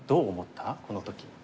この時。